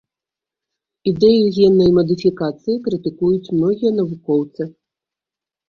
Ідэю геннай мадыфікацыі крытыкуюць многія навукоўцы.